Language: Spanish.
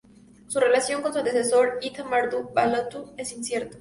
Su relación con su antecesor, Itti-Marduk-balatu, es incierto.